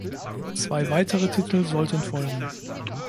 Zwei weitere Titel sollten folgen.